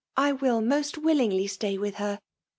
I will most willingly stay with her.